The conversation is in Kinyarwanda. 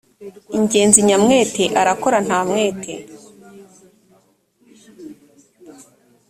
ingenzi nyamwete arakora ntamwete